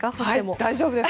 大丈夫です。